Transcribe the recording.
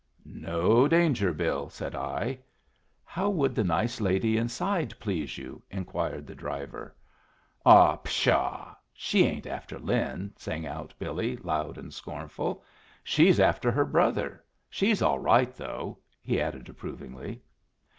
"No danger, Bill," said I. "How would the nice lady inside please you?" inquired the driver. "Ah, pshaw! she ain't after Lin!" sang out Billy, loud and scornful. "She's after her brother. She's all right, though," he added, approvingly.